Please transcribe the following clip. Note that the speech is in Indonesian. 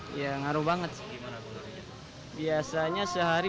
biasanya sehari bisa sepuluh piece kalau sekarang paling dua sampai tiga doang